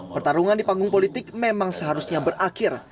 pertarungan di panggung politik memang seharusnya berakhir